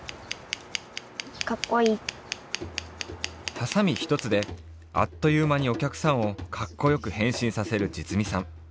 ハサミ一つであっというまにお客さんをかっこよくへんしんさせるじつみさん。